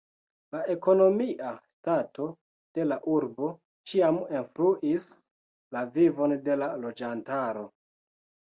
La ekonomia stato de la urbo ĉiam influis la vivon de la loĝantaro.